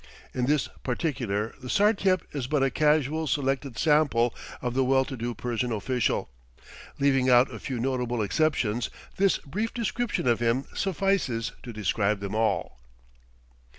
In this particular the Sartiep is but a casually selected sample of the well to do Persian official. Leaving out a few notable exceptions, this brief description of him suffices to describe them all.